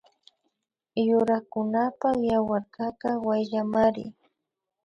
Yurakunapak yawarkaka wayllamari